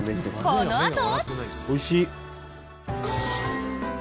このあと。